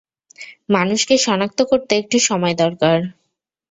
মানুষকে শনাক্ত করতে একটু সময় দরকার।